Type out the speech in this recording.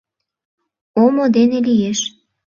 Омо дене лиеш.